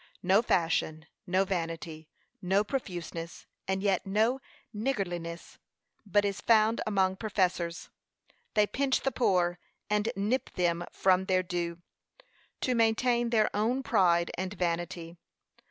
No fashion, no vanity, no profuseness, and yet no niggardliness, but is found among professors. They pinch the poor, and nip from them their due, to maintain their own pride and vanity.